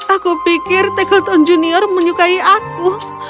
aku pikir techleton junior menyukai aku